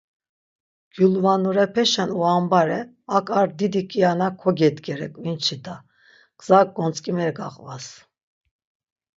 Gyulvanurepeşen uambare ak ar didi kiana kogedgere k̆vinçi da, gza gontzk̆imeri gaqvas.